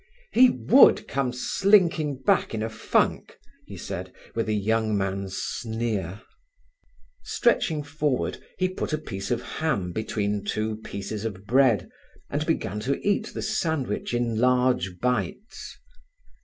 "He would come slinking back in a funk!" he said, with a young man's sneer. Stretching forward, he put a piece of ham between two pieces of bread, and began to eat the sandwich in large bites.